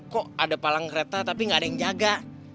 kok ada palang kereta tapi nggak ada yang jaga